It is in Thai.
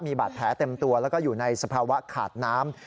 มีบาดแผลเต็มตัวแล้วก็อยู่ในสภาวะขาดน้ำ